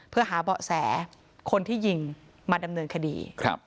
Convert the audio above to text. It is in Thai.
เพื่อหาเบาะแสคนที่ยิงมาดำเนินคดี